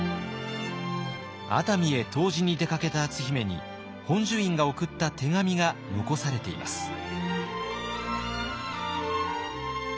熱海へ湯治に出かけた篤姫に本寿院が送った手紙が残されています。